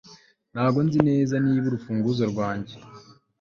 ntabwo nzi neza niba arurufunguzo rwanjye